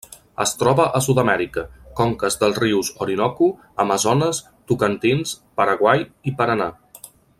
Es troba a Sud-amèrica: conques dels rius Orinoco, Amazones, Tocantins, Paraguai i Paranà.